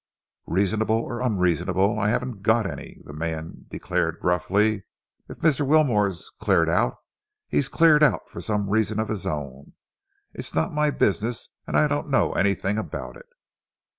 "Reasonable or unreasonable, I haven't got any," the man declared gruffly. "If Mr. Wilmore's cleared out, he's cleared out for some reason of his own. It's not my business and I don't know anything about it."